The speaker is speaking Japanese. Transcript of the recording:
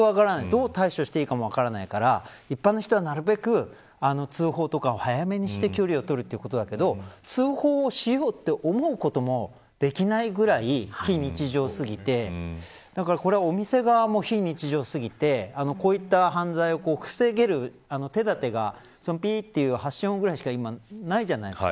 どう対処していいかも分からないから、一般の人はなるべく通報とかを早めにして距離を取るということだけど通報しようと思うこともできないぐらい、非日常すぎてこれはお店側も非日常すぎてこういった犯罪を防げる手だてがピーという発信音ぐらいしかないじゃないですか。